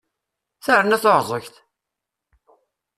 Terna taεẓegt!